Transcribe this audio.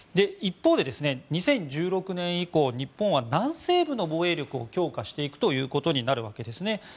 一方で２０１６年以降日本は南西部の防衛力を強化していくということになるわけですね。